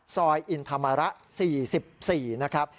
ซอยอินธรรมระ๔๔นะครับ